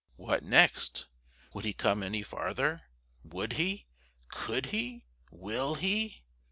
What next? Would he come any farther? Would he? Could he? Will he?